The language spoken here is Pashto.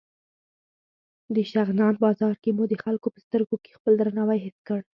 د شغنان بازار کې مو د خلکو په سترګو کې خپل درناوی حس کړ.